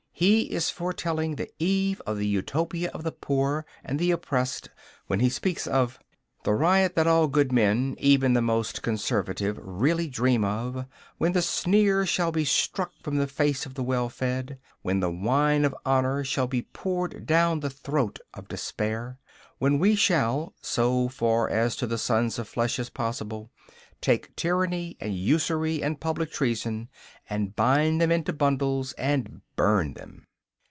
He is foretelling the eve of the Utopia of the poor and the oppressed when he speaks of the riot that all good men, even the most conservative, really dream of, when the sneer shall be struck from the face of the well fed; when the wine of honour shall be poured down the throat of despair; when we shall, so far as to the sons of flesh is possible, take tyranny, and usury, and public treason, and bind them into bundles, and burn them.